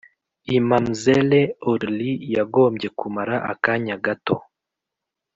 imamzelle aurlie yagombye kumara akanya gato